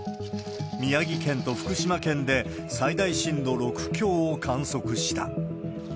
宮城県と福島県で最大震度６強を観測した。